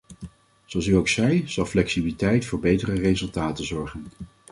Zoals u ook zei, zal flexibiliteit voor betere resultaten zorgen.